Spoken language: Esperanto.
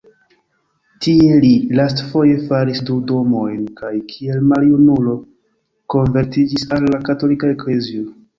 Tie li lastfoje faris du domojn kaj kiel maljunulo konvertiĝis al la Katolika Eklezio.